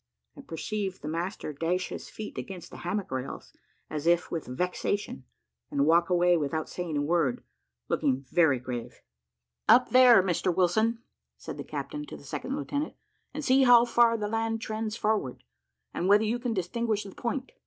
I perceived the master dash his feet against the hammock rails, as if with vexation, and walk away without saying a word, and looking very grave. "Up, there, Mr Wilson," said the captain to the second lieutenant, "and see how far the land trends forward, and whether you can distinguish the point."